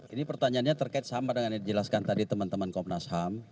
ini pertanyaannya terkait sama dengan yang dijelaskan tadi teman teman komnas ham